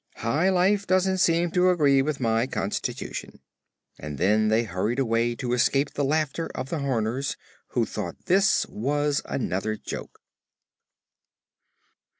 High life doesn't seem to agree with my constitution." And then they hurried away to escape the laughter of the Horners, who thought this was another joke.